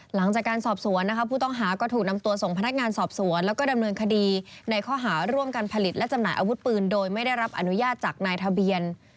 หลังจากการสอบสวนนะคะผู้ต้องหาก็ถูกนำตัวส่งพนักงานสอบสวนแล้วก็ดำเนินคดีในข้อหาร่วมกันผลิตและจำหน่ายอาวุธปืนโดยไม่ได้รับอนุญาตจากนายทะเบียน